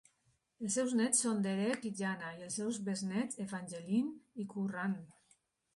Els seus néts són Derek i Janna i els seus besnéts, Evangeline i Curran.